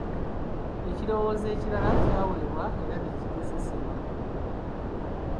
Ekirowoozo ekirala kyaweebwa era ne kigezesebwa.